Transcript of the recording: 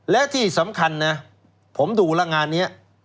และที่สำคัญนะผมดูแล้วงานนี้